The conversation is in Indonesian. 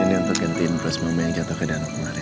ini untuk gantiin perusahaan yang jatuh ke dalam kemarin